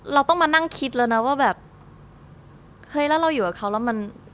เราต้องมานั่งคิดแล้วนะว่าแบบเฮ้ยแล้วเราอยู่กับเขาแล้วมัน